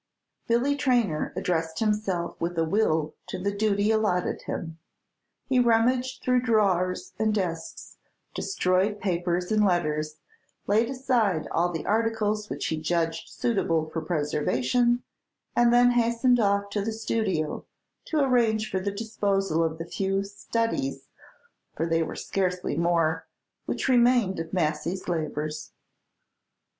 Billy Traynor addressed himself with a will to the duty allotted him. He rummaged through drawers and desks, destroyed papers and letters, laid aside all the articles which he judged suitable for preservation, and then hastened off to the studio to arrange for the disposal of the few "studies," for they were scarcely more, which remained of Massy's labors.